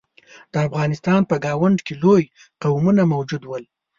د افغانستان په ګاونډ کې لوی قومونه موجود ول.